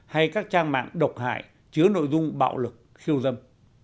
hay các trang mạng độc hại chứa nội dung bạo lực khiêu dâm